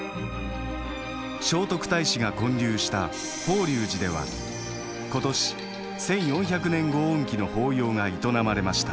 聖徳太子が建立した法隆寺では今年１，４００年御遠忌の法要が営まれました。